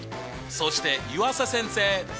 そして湯浅先生！